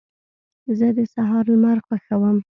زه د سهار لمر خوښوم.